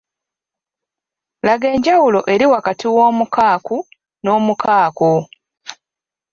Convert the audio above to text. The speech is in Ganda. Laga enjawulo eri wakati w'omukaaku n'omukaako?